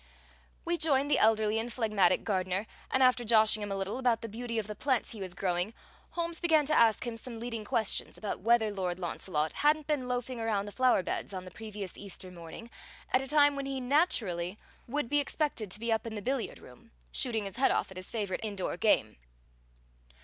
We joined the elderly and phlegmatic gardener, and after joshing him a little about the beauty of the plants he was growing, Holmes began to ask him some leading questions about whether Lord Launcelot hadn't been loafing around the flower beds on the previous Easter Monday at a time when he naturally would be expected to be up in the billiard room, shooting his head off at his favorite indoor game.